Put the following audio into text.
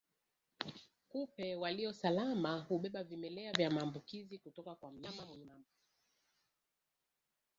Kupe walio salama hubeba vimelea vya maambukizi kutoka kwa mnyama mwenye maambukizi